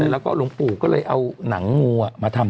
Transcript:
แล้วก็หลวงปู่ก็เลยเอาหนังงูมาทำ